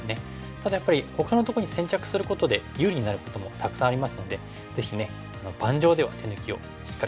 ただやっぱりほかのとこに先着することで有利になることもたくさんありますのでぜひ盤上では手抜きをしっかり考えて。